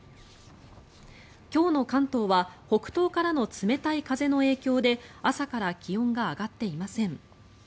今日の関東は北東からの冷たい風の影響で朝から気温が上がっていません。